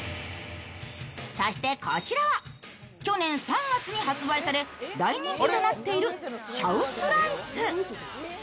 そしてこちらは、去年３月に発売され大人気となっているシャウスライス。